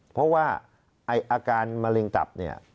เพราะว่าอาการมะเร็งตับเนี่ย